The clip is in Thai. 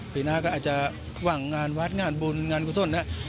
ปีหน้าก็อาจจะหวังงานวัดงานบุญงานกุศลเนี่ย